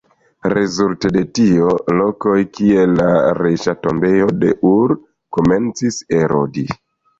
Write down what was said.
Rezulte de tio, lokoj kiel la Reĝa Tombejo de Ur, komencis erodi.